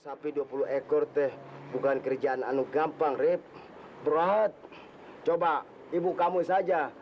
sapi dua puluh ekor teh bukan kerjaan anu gampang rip berat coba ibu kamu saja